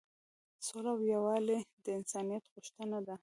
سوله او یووالی د انسانیت غوښتنه ده.